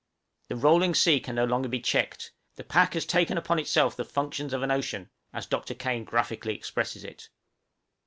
The rolling sea can no longer be checked; "the pack has taken upon itself the functions of an ocean," as Dr. Kane graphically expresses it.